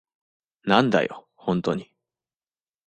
なんだよ、ホントに。